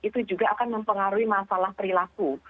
itu juga akan mempengaruhi masalah perilaku